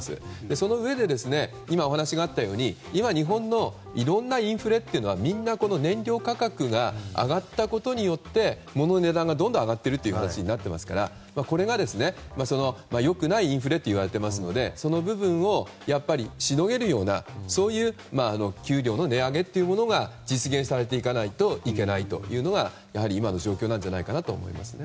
そのうえで、今お話があったように日本のインフレというのはみんな、燃料価格が上がったことによってモノの値段がどんどん上がっている形ですからこれが良くないインフレといわれていますのでその部分をしのげるような給料の値上げが実現されていかないといけないというのが今の状況なんじゃないかなと思いますね。